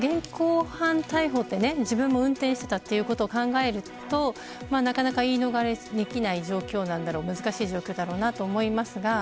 まず現行犯逮捕って、自分も運転してたということを考えるといい逃れできない状況難しい状況だと思います。